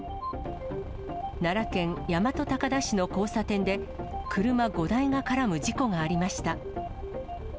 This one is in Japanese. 奈良県大和高田市の交差点で、車５台が絡む事故がありました。